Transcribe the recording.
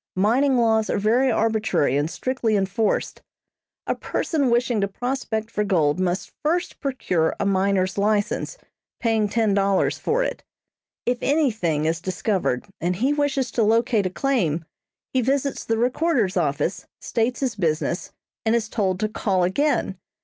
Mining laws are very arbitrary and strictly enforced. A person wishing to prospect for gold must first procure a miner's license, paying ten dollars for it. If anything is discovered, and he wishes to locate a claim, he visits the recorder's office, states his business, and is told to call again.